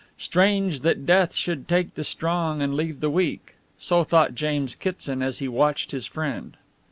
Strange that death should take the strong and leave the weak; so thought James Kitson as he watched his friend.